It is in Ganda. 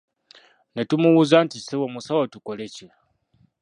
Ne tumubuuza nti Ssebo omusawo, tukole ki?